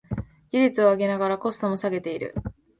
技術力を上げながらコストも下げてる